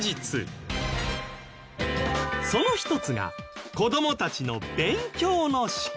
その一つが子どもたちの勉強の仕方